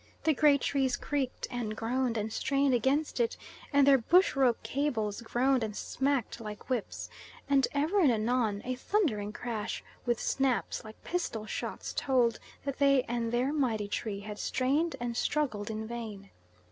The great trees creaked and groaned and strained against it and their bush rope cables groaned and smacked like whips, and ever and anon a thundering crash with snaps like pistol shots told that they and their mighty tree had strained and struggled in vain.